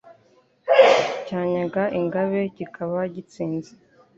cyanyaga ingabe kikaba gitsinze.